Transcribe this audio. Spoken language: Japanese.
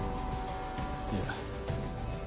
いや。